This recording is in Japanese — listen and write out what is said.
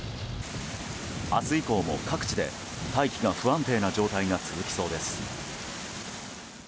明日以降も各地で大気が不安定な状態が続きそうです。